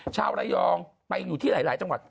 ชาวระยองไปอยู่ที่หลายจังหวัด